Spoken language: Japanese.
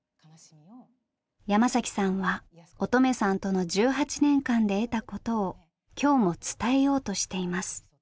山さんは音十愛さんとの１８年間で得たことを今日も伝えようとしています。